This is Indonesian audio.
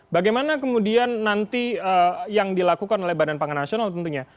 bagaimana kemudian nanti yang dilakukan oleh badan pangan nasional tentunya